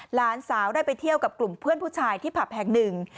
หลานสาวได้ไปเที่ยวกับกลุ่มเพื่อนผู้ชายที่ผับแห่งหนึ่ง